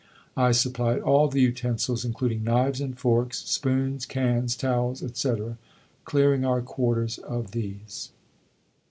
I supplied all the utensils, including knives and forks, spoons, cans, towels, etc., clearing our quarters of these."